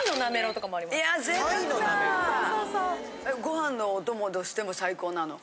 ご飯のお供としても最高なの？